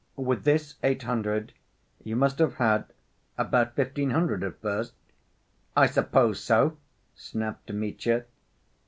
"With this eight hundred you must have had about fifteen hundred at first?" "I suppose so," snapped Mitya.